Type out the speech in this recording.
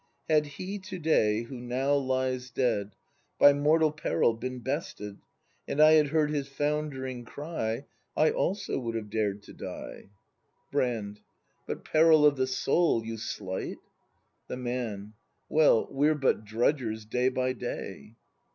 Had he to day, who now lies dead, By mortal peril been bested. And I had heard his foundering cry, I also would have dared to die. ACT II] BRAND 75 Brand. But peril of the Soul you slight ? The Man. Well, we're but drudgers day by day.